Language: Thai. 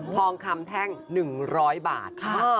ทองคำแท่ง๑๐๐บาท